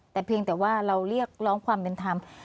แต่เพียงแต่ว่าเราเรียกร้องความเป็นธรรม